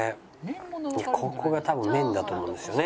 ここが多分麺だと思うんですよね